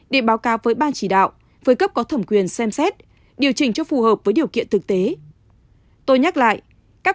để báo cáo với ban chỉ đạo với cấp có thẩm quyền xem xét điều chỉnh cho phù hợp với điều kiện thực tế